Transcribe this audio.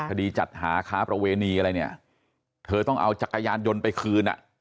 จัดหาค้าประเวณีอะไรเนี่ยเธอต้องเอาจักรยานยนต์ไปคืนอ่ะ